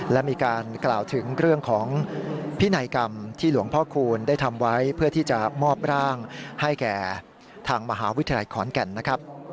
และมีการกล่าวถึงเรื่องของพินัยกรรมที่หลวงพ่อคูณได้ทำไว้เพื่อที่จะมอบร่างให้แก่ทางมหาวิทยาลัยขอนแก่นนะครับ